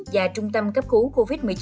và trung tâm cấp cứu covid một mươi chín